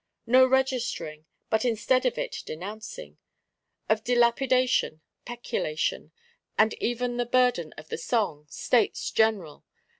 No registering, but instead of it, denouncing: of dilapidation, peculation; and ever the burden of the song, States General!